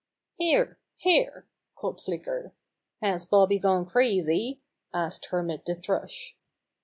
"Here ! Here !" called Flicker. "Has Bobby gone crazy?" asked Hermit the Thrush.